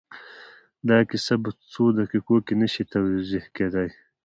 دا کيسه په څو دقيقو کې نه شي توضيح کېدای.